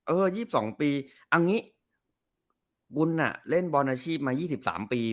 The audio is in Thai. เออ๒๒ปีอังงี้กุลเล่นบอลอาชีพมา๒๓ปี